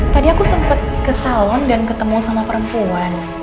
tadi aku sempet ke salon dan ketemu sama perempuan